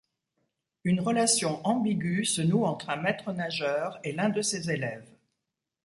Une relation ambiguë se noue entre un maître-nageur et l'un de ses élèves.